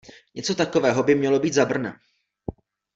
Něco takového by mělo být za Brnem.